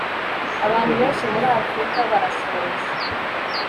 abantu benshi muri afrika barashonje